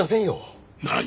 何！？